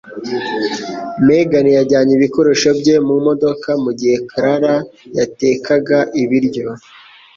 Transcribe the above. Megan yajyanye ibikoresho bye mu modoka mugihe Clara yatekaga ibiryo.